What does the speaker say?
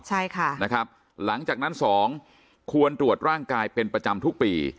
ใช่ค่ะนะครับหลังจากนั้นสองควรตรวจร่างกายเป็นประจำทุกปี